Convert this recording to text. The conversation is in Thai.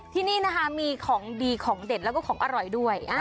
ที่นี่นะคะมีของดีของเด็ดแล้วก็ของอร่อยด้วย